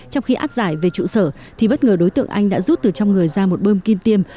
trong khi áp giải về trụ sở thì bất ngờ đối tượng anh đã rút từ trong người ra một bơm kim tiêm